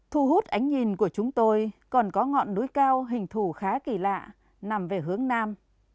thu hút ánh nhìn của chúng tôi còn có ngọn núi cao hình thủ khá kỳ lạ nằm về hướng nam